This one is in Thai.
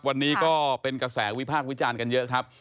วันนี้ก็เป็นกระแสวิพากษ์วิจารณ์กันเยอะครับ